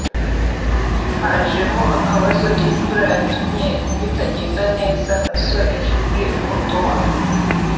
hajemo akabazo k’imvura yatumye bitagenda neza […] Nasoreje muri Ottawa